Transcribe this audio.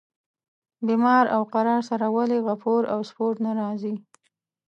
بیمار او قرار سره ولي غفور او سپور نه راځي.